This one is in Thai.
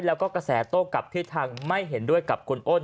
แล้วก็กระแสโต้กลับที่ทางไม่เห็นด้วยกับคุณอ้น